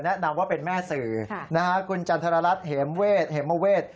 แนะนำว่าเป็นแม่สื่อนะฮะคุณจันทรรัฐเหมเวทเหมเวศ